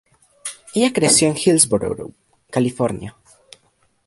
Ella creció en Hillsborough, California.